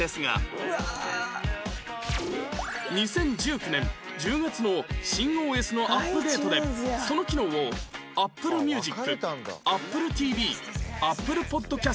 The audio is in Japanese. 「うわあ」２０１９年１０月の新 ＯＳ のアップデートでその機能を「ＡｐｐｌｅＭｕｓｉｃ」「ＡｐｐｌｅＴＶ」「ＡｐｐｌｅＰｏｄｃａｓｔ」